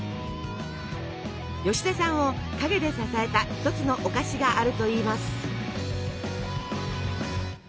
吉田さんを陰で支えた一つのお菓子があるといいます。